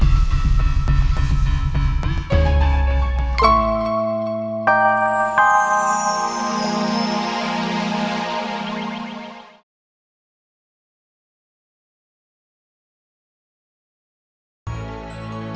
eh maksudnya rin apa sih